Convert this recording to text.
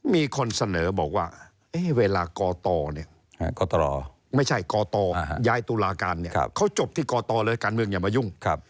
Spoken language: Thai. มีคนเสนอบอกว่าเวลากอตย้ายตุลาการเขาจบที่กอตแล้วการเมืองอย่ามายุ่ง